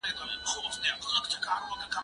زه به اوږده موده سیر کړی وم،